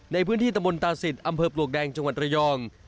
ในพื้นที่ตะมนตาศิษย์อำเภอปลวกแดงจังหวัดระยอง